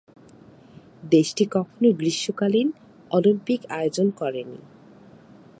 দেশটি কখনো গ্রীষ্মকালীন অলিম্পিক আয়োজন করেনি।